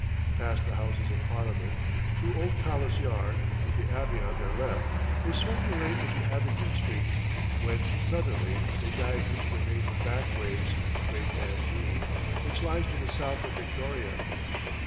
Past the Houses of Parliament, through Old Palace Yard, with the Abbey on their left, they swung away into Abingdon Street, whence suddenly they dived into the maze of backways, great and mean, which lies to the south of Victoria.